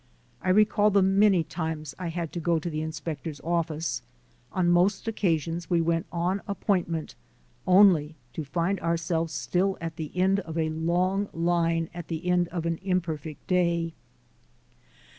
I recall the many times I had to go to the inspector's office; on most occasions we went on appointment, only to find ourselves still at the end of a long line at the end of an imperfect day.